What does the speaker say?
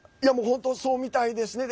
本当、そうみたいですね。